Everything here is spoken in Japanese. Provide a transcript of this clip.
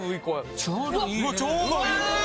ちょうどいいね！